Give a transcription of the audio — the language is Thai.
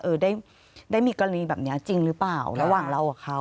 ได้ได้มีกรณีแบบนี้จริงหรือเปล่าระหว่างเรากับเขา